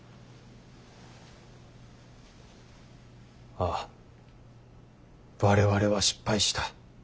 ああ我々は失敗した。